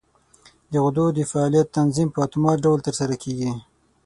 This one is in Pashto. د غدو د فعالیت تنظیم په اتومات ډول تر سره کېږي.